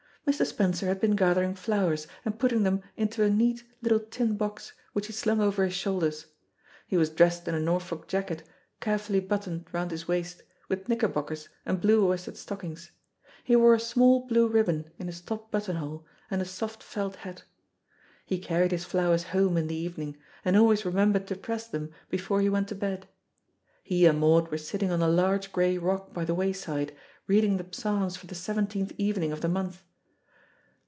Mr. Spencer had been gathering flowers and putting them into a neat, little tin box, which he slung over his shoulders. He was dressed in a Norfolk jacket carefully buttoned round his waist, with knickerbockers and blue worsted stockings. He wore a small blue ribbon in his top button hole, and a soft felt hat. He carried his flowers home in the evening, and always remembered to press them before he went to bed. He and Maud were sitting on a large grey rock by the wayside, reading the Psalms for the seventeenth evening of the month.